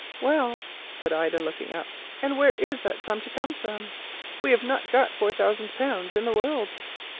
"Well," said Ida, looking up, "and where is all that sum to come from? We have not got four thousand pounds in the world."